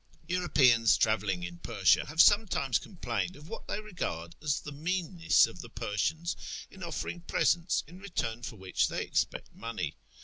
Europeans travelling in Persia have sometimes complained of what they regard as the meanness of the Persians in offering presents in return for which they expect money.